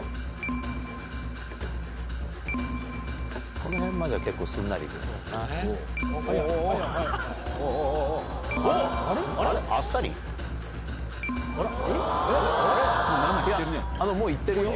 このへんまでは結構すんなり早い、早い。